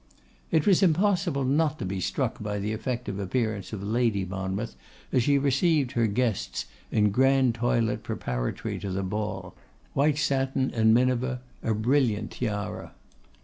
It was impossible not to be struck by the effective appearance of Lady Monmouth as she received her guests in grand toilet preparatory to the ball; white satin and minever, a brilliant tiara.